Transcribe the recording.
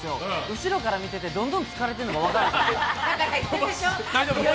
後ろから見てて、どんどん疲れてるのが分かるんですよね。